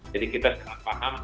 jadi kita paham